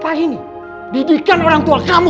apa ini didikan orang tua kamu